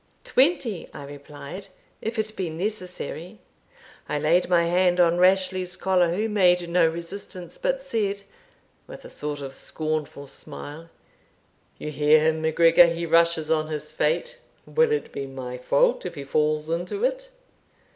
"Twenty," I replied, "if it be necessary." I laid my hand on Rashleigh's collar, who made no resistance, but said, with a sort of scornful smile, "You hear him, MacGregor! he rushes on his fate will it be my fault if he falls into it?